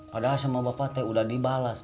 padahal sama bapak teh udah dibalas